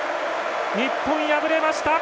日本、敗れました。